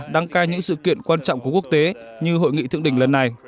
đăng cai những sự kiện quan trọng của quốc tế như hội nghị thượng đỉnh lần này